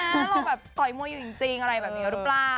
คือเราแบบต่อยมวยอยู่จริงอะไรแบบนี้หรือเปล่า